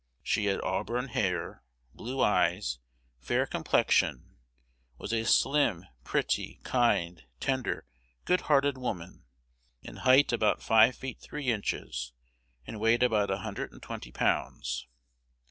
She had auburn hair, blue eyes, fair complexion; was a slim, pretty, kind, tender, good hearted woman; in height about five feet three inches, and weighed about a hundred and twenty pounds.